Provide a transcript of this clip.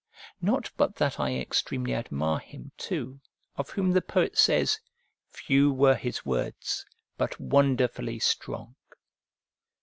Not but that I extremely admire him, too, of whom the poet says, "Few were his words, but wonderfully strong."